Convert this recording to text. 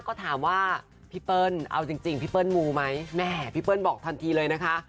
ก็ถามว่าพี่เปิ้ลเอาจริงพี่เปิ้มูไหมแม่พี่เปิ้ลบอกทันทีเลยนะคะ